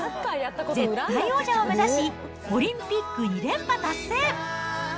絶対王者を目指し、オリンピック２連覇達成。